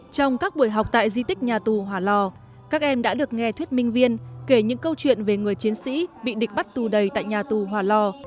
trong các buổi học tại di tích nhà tù hòa lò các em đã được nghe thuyết minh viên kể những câu chuyện về người chiến sĩ bị địch bắt tù đầy tại nhà tù hòa lò